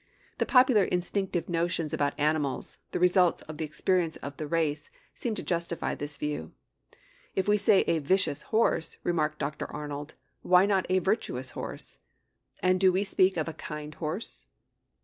The popular instinctive notions about animals, the result of the experience of the race, seem to justify this view. 'If we say a vicious horse,' remarked Dr. Arnold, 'why not a virtuous horse?' And we do speak of a 'kind' horse.